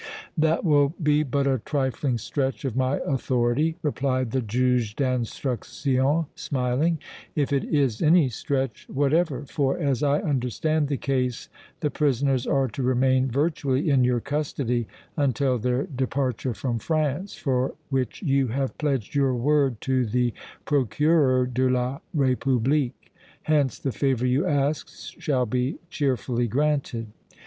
"That will be but a trifling stretch of my authority," replied the Juge d' Instruction, smiling, "if it is any stretch whatever, for, as I understand the case, the prisoners are to remain virtually in your custody until their departure from France, for which you have pledged your word to the Procureur de la République. Hence the favor you ask shall be cheerfully granted."